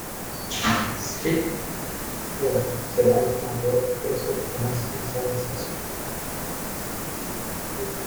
Spektr-R será el mayor telescopio jamás lanzado al espacio.